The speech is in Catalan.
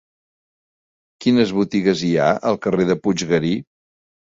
Quines botigues hi ha al carrer de Puiggarí?